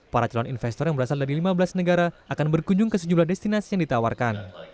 para calon investor yang berasal dari lima belas negara akan berkunjung ke sejumlah destinasi yang ditawarkan